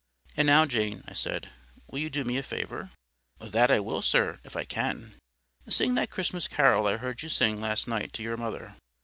And now, Jane," I said, "will you do me a favour?" "That I will, sir, if I can." "Sing that Christmas carol I heard you sing last night to your mother."